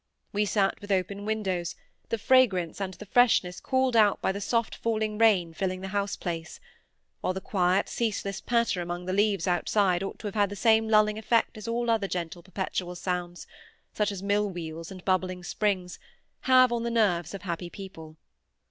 We sate with open windows, the fragrance and the freshness called out by the soft falling rain filling the house place; while the quiet ceaseless patter among the leaves outside ought to have had the same lulling effect as all other gentle perpetual sounds, such as mill wheels and bubbling springs, have on the nerves of happy people.